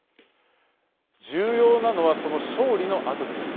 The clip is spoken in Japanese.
重要なのはその勝利のあとです。